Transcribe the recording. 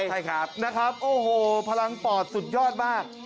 ใช่ครับนะครับโอ้โหพลังปอดสุดยอดมาก